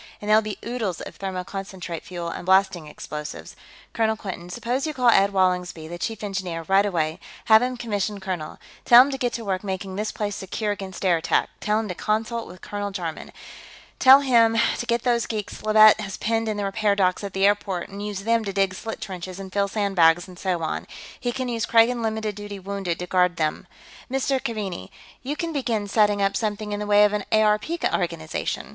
"And there'll be oodles of thermoconcentrate fuel, and blasting explosives. Colonel Quinton, suppose you call Ed Wallingsby, the Chief Engineer, right away; have him commissioned colonel. Tell him to get to work making this place secure against air attack; tell him to consult with Colonel Jarman. Tell him to get those geeks Leavitt has penned in the repair dock at the airport and use them to dig slit trenches and fill sandbags and so on. He can use Kragan limited duty wounded to guard them.... Mr. Keaveney, you'll begin setting up something in the way of an ARP organization.